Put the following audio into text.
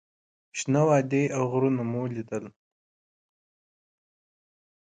شنه وادي او غرونه مو لیدل.